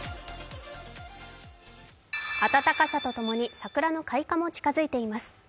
暖かさとともに桜の開花も近づいています。